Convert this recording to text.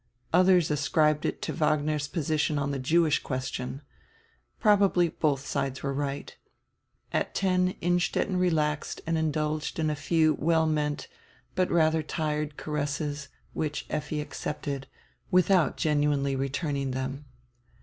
Others ascribed it to Wagner's position on the Jewish question. Probably both sides were right At ten Innstetten relaxed and indulged in a few well meant, but rather tired caresses, which Effi accepted, without genuinely returning them.